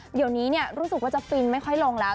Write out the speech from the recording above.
เดี๋ยวนี้รู้สึกว่าจะฟินไม่ค่อยลงแล้ว